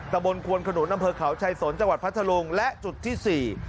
ตะบนควนขนุนอำเภอเขาชายสนจังหวัดพัทธรุงและจุดที่สี่